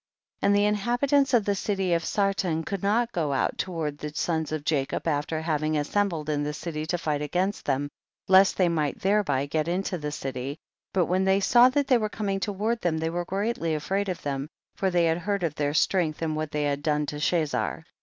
23. And the inhabitants of the city of Sarton could not go out to ward the sons of Jacob after having assembled in the city to fight against them, lest they might thereby get into the city, but when they saw that they were coming toward them, they were greatly afraid of them, for they had heard of their strength and what they had done to Chazar.